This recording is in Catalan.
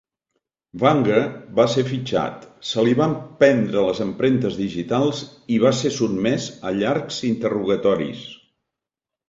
Wanger va ser fitxat, se li van prendre les empremtes digitals i va ser sotmès a llargs interrogatoris.